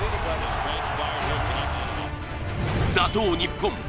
打倒日本。